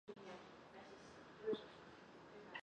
苏联时期改以苏联少年先锋队命名。